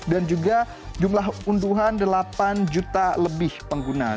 dan juga jumlah unduhan delapan juta lebih pengguna